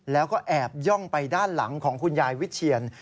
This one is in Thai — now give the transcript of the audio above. แล้วก็แอบย่องไปด้านหลังของคุณยายวิเชียน